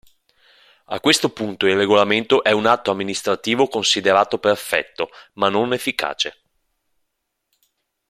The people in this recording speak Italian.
A questo punto il regolamento è un atto amministrativo considerato perfetto, ma non efficace.